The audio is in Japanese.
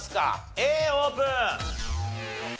Ａオープン！